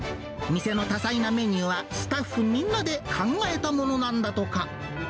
店の多彩なメニューは、スタッフみんなで考えたものなんだとか。